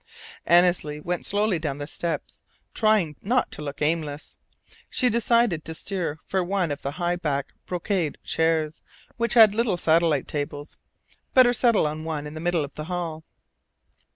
Annesley went slowly down the steps, trying not to look aimless. She decided to steer for one of the high back brocaded chairs which had little satellite tables. Better settle on one in the middle of the hall.